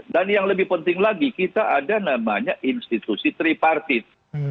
dan yang lebih penting lagi kita ada namanya institusi tripartis